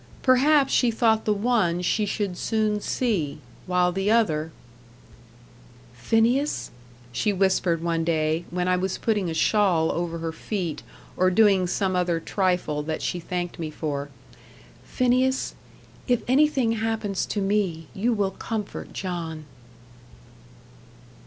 Perhaps she thought the one she should soon see while the other "Phineas," she whispered one day, when I was putting a shawl over her feet, or doing some other trifle that she thanked me for, "Phineas, if anything happens to me, you will comfort John!"